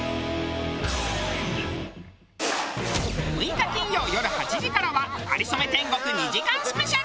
６日金曜よる８時からは『かりそめ天国』２時間スペシャル！